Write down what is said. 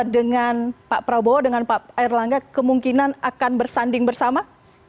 dengan pak prabowo dengan pak erlangga kemungkinan akan bersanding bersama